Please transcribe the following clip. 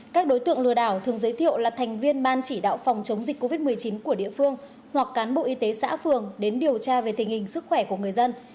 các đối tượng lừa đảo thường giới thiệu là thành viên ban chỉ đạo phòng chống dịch covid một mươi chín của địa phương hoặc cán bộ y tế xã phường đến điều tra về tình hình sức khỏe của người dân